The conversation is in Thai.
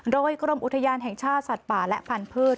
โดยกรมอุทยานแห่งชาติสัตว์ป่าและพันธุ์